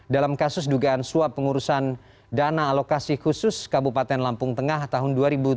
dalam kasus dugaan suap pengurusan dana alokasi khusus kabupaten lampung tengah tahun dua ribu tujuh belas